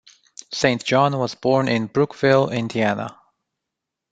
Saint John was born in Brookville, Indiana.